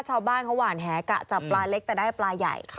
ชาวบ้านเขาหวานแหกะจับปลาเล็กแต่ได้ปลาใหญ่ค่ะ